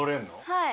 はい。